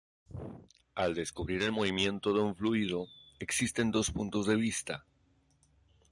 Al describir el movimiento de un fluido, existen dos puntos de vista.